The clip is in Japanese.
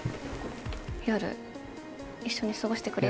夜一緒に過ごしてくれるんだよね？